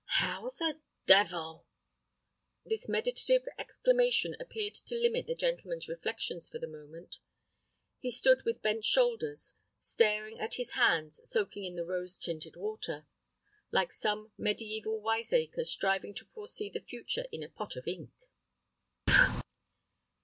"How the devil—!" This meditative exclamation appeared to limit the gentleman's reflections for the moment. He stood with bent shoulders, staring at his hands soaking in the rose tinted water, like some mediæval wiseacre striving to foresee the future in a pot of ink.